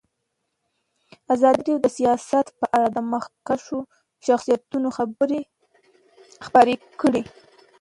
ازادي راډیو د سیاست په اړه د مخکښو شخصیتونو خبرې خپرې کړي.